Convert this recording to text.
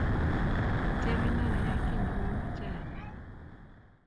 itebeno ayai kiy ne mamache ayai